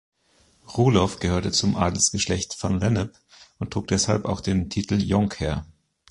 Roelof gehörte zum Adelsgeschlecht Van Lennep und trug deshalb auch den Titel Jonkheer.